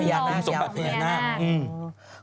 พญานาค